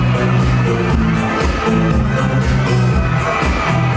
ไม่ต้องถามไม่ต้องถาม